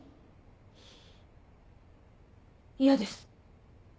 嫌です。